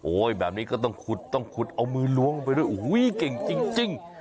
แบบนี้ก็ต้องขุดต้องขุดเอามือล้วงลงไปด้วยโอ้โหเก่งจริง